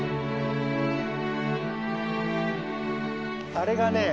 あれがね